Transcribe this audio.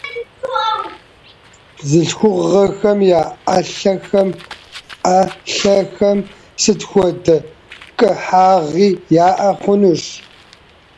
Бзылъхугъэхэм я ӏэлъэхэм сыт хуэдэ кӏыхьагъи яӏэ хъунут.